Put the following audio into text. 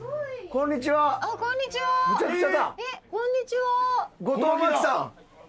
こんにちは。